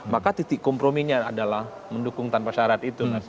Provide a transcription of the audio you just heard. maka titik komprominya adalah mendukung tanpa syarat itu